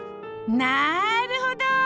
なるほど！